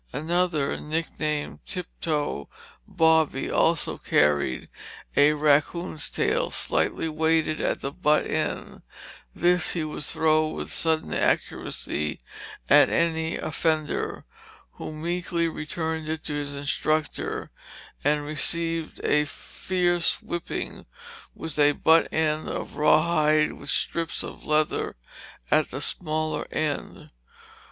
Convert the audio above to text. Another, nicknamed Tiptoe Bobby, always carried a raccoon's tail slightly weighted at the butt end; this he would throw with sudden accuracy at any offender, who meekly returned it to his instructor and received a fierce whipping with a butt end of rawhide with strips of leather at the smaller end.